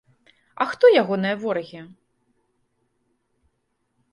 А хто ягоныя ворагі?